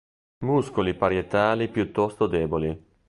Muscoli parietali piuttosto deboli.